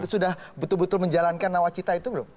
sudah betul betul menjalankan nawacita itu belum